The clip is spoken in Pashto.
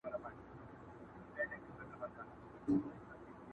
که تر شاتو هم خواږه وي ورک دي د مِنت خواړه سي،